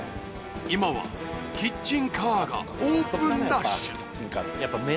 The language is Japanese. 今はキッチンカーがオープンラッシュ。